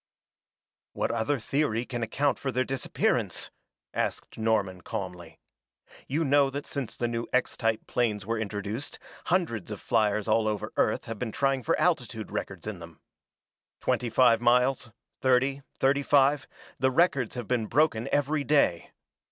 "What other theory can account for their disappearance?" asked Norman calmly. "You know that since the new X type planes were introduced, hundreds of fliers all over Earth have been trying for altitude records in them. Twenty five miles thirty thirty five the records have been broken every day.